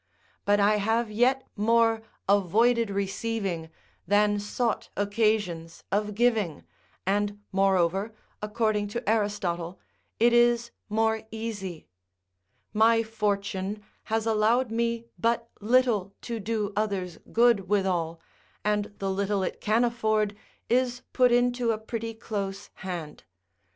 But I have yet more avoided receiving than sought occasions of giving, and moreover, according to Aristotle, it is more easy., My fortune has allowed me but little to do others good withal, and the little it can afford, is put into a pretty close hand.